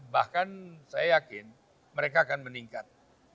bahkan saya yakin mereka akan meningkat